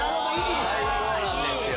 最高なんですよ。